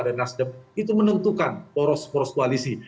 dan nasdem itu menentukan poros poros koalisi